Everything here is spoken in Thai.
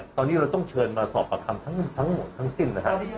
ตอนนี้เราต้องเชิญมาสอบประคำทั้งหมดทั้งสิ้นนะครับ